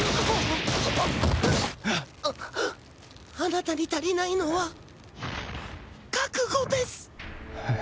あなたに足りないのは覚悟です！